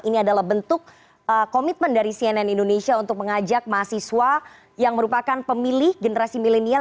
ini adalah bentuk komitmen dari cnn indonesia untuk mengajak mahasiswa yang merupakan pemilih generasi milenial